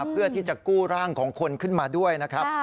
เพื่อที่จะกู้ร่างของคนขึ้นมาด้วยนะครับ